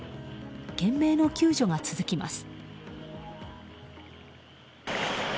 懸命の救助が続きます。